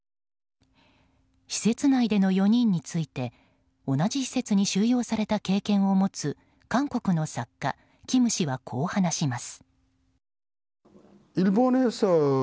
施設内での４人について同じ施設に収容された経験を持つ韓国の作家キム氏はこう話します。